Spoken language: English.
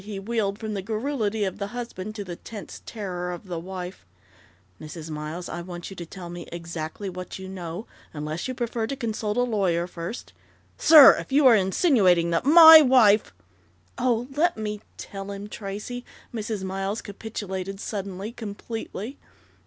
He wheeled from the garrulity of the husband to the tense terror of the wife. "Mrs. Miles, I want you to tell me exactly what you know, unless you prefer to consult a lawyer first " "Sir, if you are insinuating that my wife " "Oh, let me tell him, Tracey," Mrs. Miles capitulated suddenly, completely.